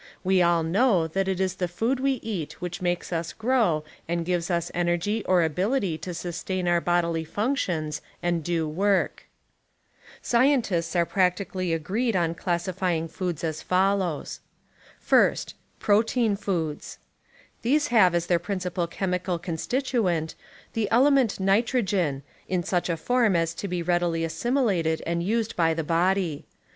We all know that it is the food we eat which makes us grow and gives us energy or ability to sustain our bodily functions and do work. *See also: Fisher: P/iysio/ogy of ^/ifnentmion. Stiles: Nuttitional FAyiio/ojr\. Scientists arc practically agreed on classifying foods as fol lows :* Firsi: Protein foods. These have as their j>rincipal chem ical constituent the element nitrogen in such a form as to be readily assimilated and used by the body.